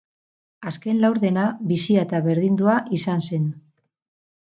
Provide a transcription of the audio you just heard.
Azken laurdena bizia eta berdindua izan zen.